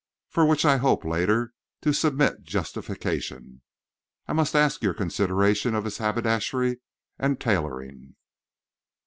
For which I hope, later, to submit justification, I must ask your consideration of his haberdashery and tailoring.